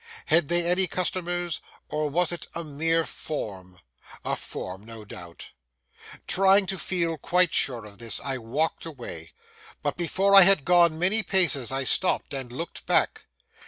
Had they any customers, or was it a mere form?—a form, no doubt. Trying to feel quite sure of this, I walked away; but before I had gone many paces, I stopped and looked back.